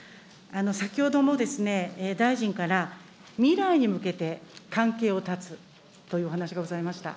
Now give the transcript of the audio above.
先ほども大臣から未来に向けて関係を断つというお話がございました。